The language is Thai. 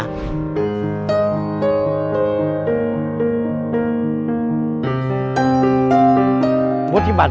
วุฒิบัติเป็นวุฒิบัติ